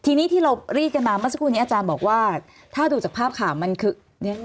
ทีนี้ที่เรารีดกันมาเมื่อสักครู่นี้อาจารย์บอกว่าถ้าดูจากภาพข่าวมันคือ